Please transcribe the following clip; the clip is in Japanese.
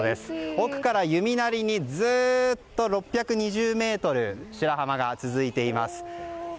奥から弓なりに、ずっと６２０ｍ白浜が続いています。